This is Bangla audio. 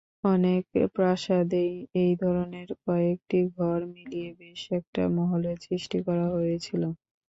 অনেক প্রাসাদেই এই ধরনের কয়েকটি ঘর মিলিয়ে বেশ একটা মহলের সৃষ্টি করা হয়েছিল।